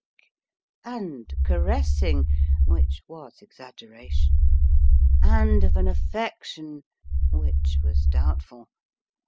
And caressing (which was exaggeration). And of an affection (which was doubtful).